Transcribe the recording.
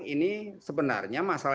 ini sebenarnya masalah